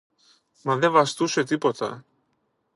Μα δε βαστούσε τίποτα